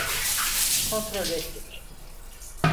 Kontrol ettik.